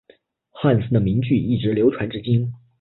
汉森的名句一直流传至今。